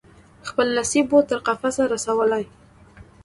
خپل نصیب وو تر قفسه رسولی